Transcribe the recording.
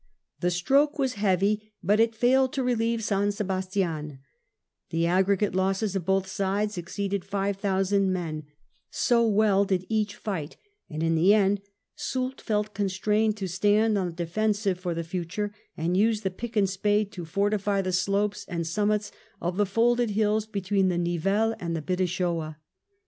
The stroke was heavy, but it failed to relieve San Sebastian ; the aggregate losses of both sides exceeded five thousand men, so well did each fight ; and in the end Soult felt constrained to stand on the defen sive for the future, and use the pick and spade to fortify the slopes and summits of the folded hills between the Nivelle and the Bidassoa.